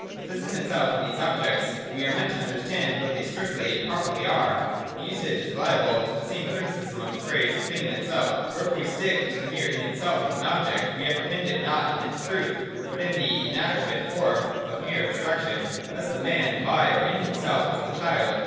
By this ' in itself ' in these objects we are meant to understand what they strictly and properly are. This usage is hable to the same criticism as the phrase ' thing in itself.' For if we stick to the mere ' in itself of an object, we apprehend it not in its truth, but in the inadequate form of mere abstraction. Thus the man, by or in himself, is the child.